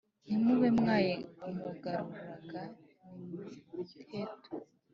Ntimube mwamugaruraga n'imiheto ?"